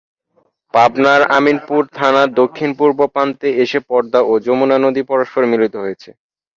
পাবনার আমিনপুর থানার দক্ষিণ-পূর্ব প্রান্তে এসে পদ্মা ও যমুনা নদী পরস্পর মিলিত হয়েছে।